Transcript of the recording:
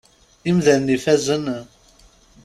Imdanen ifazen?